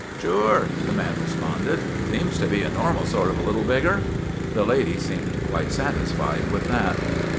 " Sure," the man responded. " Seems to be a normal sort of a little beggar." The lady seemed quite satisfied with that.